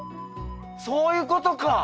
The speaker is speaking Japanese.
そういうことか！